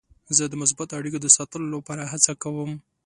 زه د مثبتو اړیکو د ساتلو لپاره هڅه کوم.